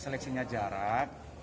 mereka mengatakan seleksi jarak